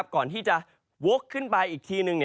ก่อนที่จะวกขึ้นไปอีกทีนึง